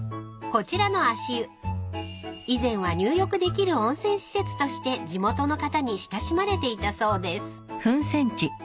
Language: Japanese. ［こちらの足湯以前は入浴できる温泉施設として地元の方に親しまれていたそうです］へ。